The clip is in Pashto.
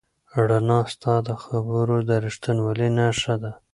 رڼا ستا د خبرو د رښتینولۍ نښه ده.